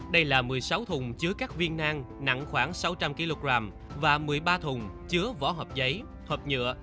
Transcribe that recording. đây là một mươi sáu thùng chứa các viên nang nặng khoảng sáu trăm linh kg và một mươi ba thùng chứa vỏ hộp giấy hộp nhựa